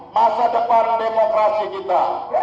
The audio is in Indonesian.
masa depan demokrasi kita